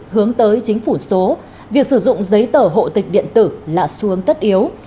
hướng tới chính phủ số việc sử dụng giấy tờ hộ tịch điện tử là xu hướng tất yếu